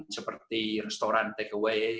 seperti restoran takeaway